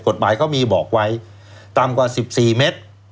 กฎหมายเขามีบอกไว้ต่ำกว่า๑๔เมตร